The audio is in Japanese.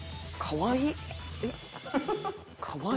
かわいい。